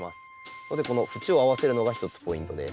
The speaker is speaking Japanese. それでこの縁を合わせるのが一つポイントです。